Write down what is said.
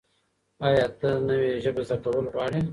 ایا ته نوې ژبه زده کول غواړې؟